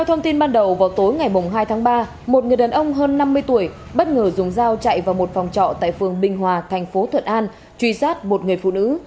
hai tháng ba một người đàn ông hơn năm mươi tuổi bất ngờ dùng dao chạy vào một phòng trọ tại phường binh hòa thành phố thuận an truy sát một người phụ nữ